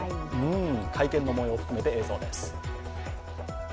会見の模様を含めて映像です。